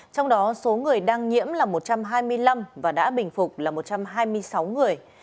trong đó số người đang nhiễm là một trăm hai mươi năm và đã bình phục là một trăm hai mươi sáu người